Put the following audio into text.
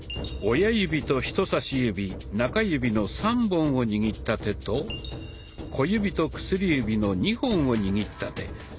親指と人さし指中指の３本を握った手と小指と薬指の２本を握った手。